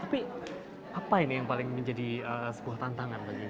tapi apa ini yang paling menjadi sebuah tantangan bagi